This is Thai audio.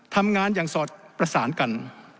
ทำงานอย่างสอดประสานกัน